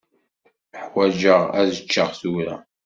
Ḥwaǧeɣ ad ččeɣ tura.